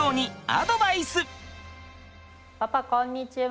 パパこんにちは！